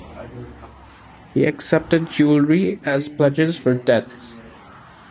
He accepted jewelry as pledges for debts.